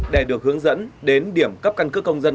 để được hướng dẫn đến điểm cấp căn cước công dân